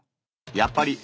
やっぱり。